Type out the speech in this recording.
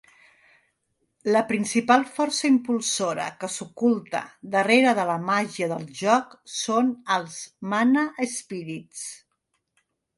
La principal força impulsora que s'oculta darrera de la màgia del joc són els Mana Spirits.